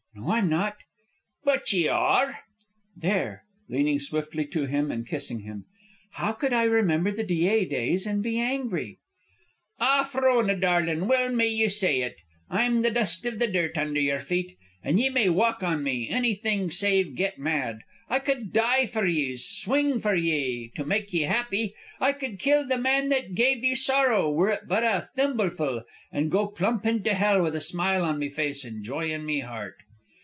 "No, I'm not." "But ye are." "There!" leaning swiftly to him and kissing him. "How could I remember the Dyea days and be angry?" "Ah, Frona darlin', well may ye say it. I'm the dust iv the dirt under yer feet, an' ye may walk on me anything save get mad. I cud die for ye, swing for ye, to make ye happy. I cud kill the man that gave ye sorrow, were it but a thimbleful, an' go plump into hell with a smile on me face an' joy in me heart."